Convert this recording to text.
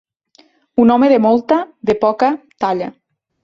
Un home de molta, de poca, talla.